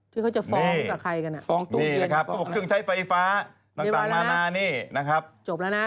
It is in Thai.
ที่เขาจะฟ้องกับใครกันอะฟ้องตูเยือนเดี๋ยวมาแล้วนะจบแล้วนะ